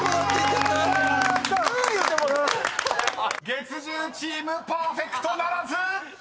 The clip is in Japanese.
［月１０チームパーフェクトならず！］